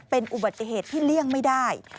เป็นอุบัติเหตุที่เลี่ยงไม่ได้